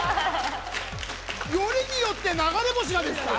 よりによって流れ星☆がですか？